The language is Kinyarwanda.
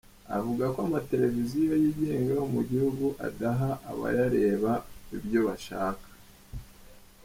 Avuga ko amateleviziyo yigenga yo mu gihugu adaha abayareba ibyo bashaka.